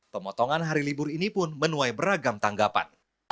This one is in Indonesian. pemotongan hari libur ini pun menuai beragam tanggapan